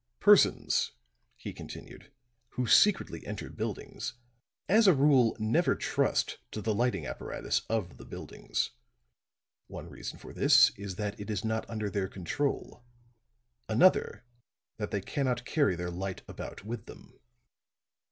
"Persons," he continued, "who secretly enter buildings, as a rule never trust to the lighting apparatus of the buildings. One reason for this is that it is not under their control another that they cannot carry their light about with them."